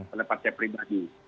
pendapat saya pribadi